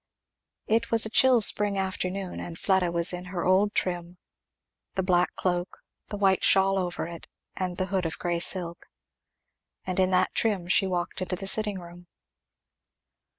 It was a chill spring afternoon and Fleda was in her old trim, the black cloak, the white shawl over it, and the hood of grey silk. And in that trim she walked into the sitting room.